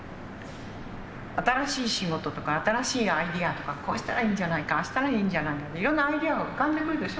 新しい仕事とか新しいアイデアとかこうしたらいいんじゃないかああしたらいいんじゃないいろんなアイデアが浮かんでくるでしょ？